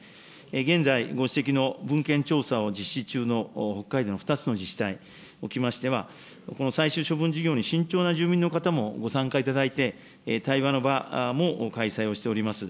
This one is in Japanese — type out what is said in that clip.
現在、ご指摘の文献調査を実施中の北海道の２つの自治体におきましては、この最終処分事業に慎重な住民の方もご参加いただいて、対話の場も開催をしております。